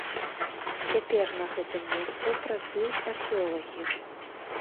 Цяпер на гэтым месцы працуюць археолагі.